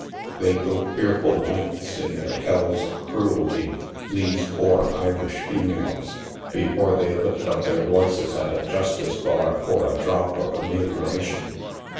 They go fearful lengths in their hells of cruelty, these poor Irish females, before they lift up their voices at a justice bar for a drop of ame lioration.